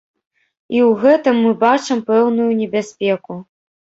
І ў гэтым мы бачым пэўную небяспеку.